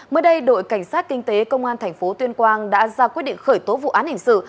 mới đây đội cảnh sát kinh tế công an tp tuyên quang đã ra quyết định khởi tố vụ án hình sự